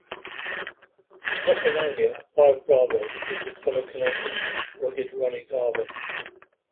At WrestleMania Five Bravo defeated fellow Canadian Rugged Ronnie Garvin.